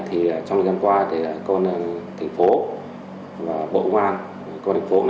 trong thời gian qua công an thành phố và bộ ngoan